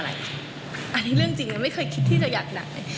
อันนี้เรื่องจริงมันไม่เคยคิดที่จะอยากบริลัย